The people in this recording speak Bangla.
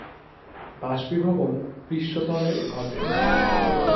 বাষ্পীভবন "পৃষ্ঠতলে" ঘটে।